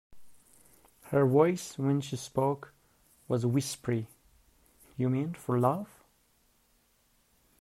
Her voice, when she spoke, was whispery: "You mean — for love?"